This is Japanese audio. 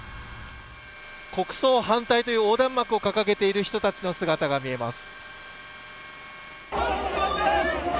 国葬反対という横断幕を掲げている人たちの姿が見えます。